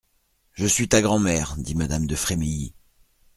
Je suis ta grand'mère, dit madame de Frémilly.